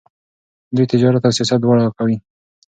دوی تجارت او سیاست دواړه کوي.